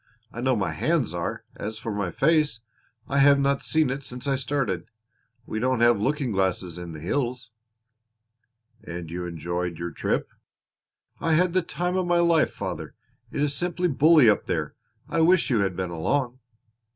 "I know my hands are. As for my face I have not seen it since I started. We don't have looking glasses in the hills." "And you enjoyed your trip?" "I had the time of my life, father! It is simply bully up there. I wish you had been along."